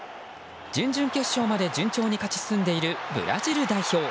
準々決勝まで順調に勝ち進んでいるブラジル代表。